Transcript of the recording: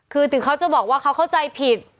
คือถึงเขาจะบอกว่าเขาเข้าใจผิด